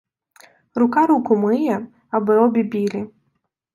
Рука руку миє, аби обі білі.